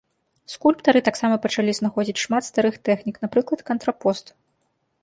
Скульптары таксама пачалі знаходзіць шмат старых тэхнік, напрыклад кантрапост.